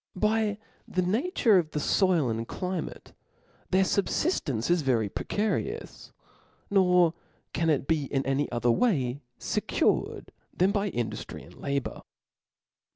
By the nature of the foil and climate, their fubfiftence is very precari ous ; nor can it be any other way fecured, than by induftry and labour.